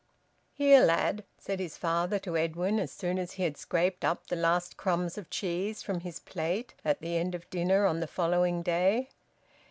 "Here, lad!" said his father to Edwin, as soon as he had scraped up the last crumbs of cheese from his plate at the end of dinner on the following day.